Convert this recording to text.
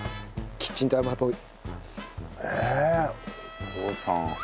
キッチンタイマーボーイ。